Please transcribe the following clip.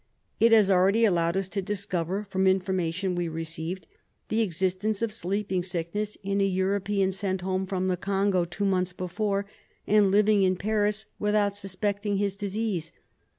It has already allowed us to discover, from information we received, the existence of sleeping sickness in a European sent home from the Congo two months before, and living in Paris without suspecting his disease.